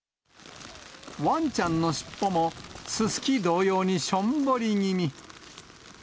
わんちゃんの尻尾も、ススキ同様にしょんぼり気味に。